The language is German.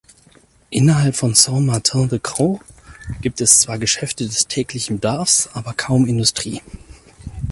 Innerhalb von Saint-Martin-de-Crau gibt es zwar Geschäfte des täglichen Bedarfs, aber kaum Industrie.